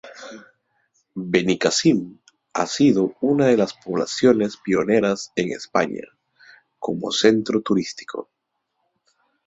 Benicasim ha sido una de las poblaciones pioneras en España como centro turístico.